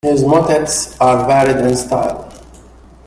His motets are varied in style.